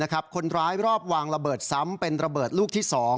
คนร้ายรอบวางระเบิดซ้ำเป็นระเบิดลูกที่๒